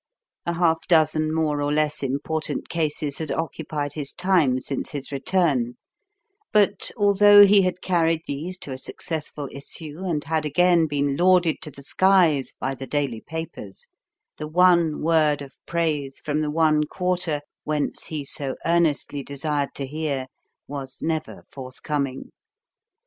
A half dozen more or less important cases had occupied his time since his return; but, although he had carried these to a successful issue and had again been lauded to the skies by the daily papers, the one word of praise from the one quarter whence he so earnestly desired to hear was never forthcoming.